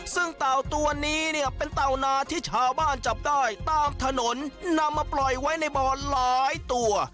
ซึ่งเต่าตัวนี้เนี่ยเป็นเต่านาที่ชาวบ้านจับได้ตามถนนนำมาปล่อยไว้ในบ่อหลายตัว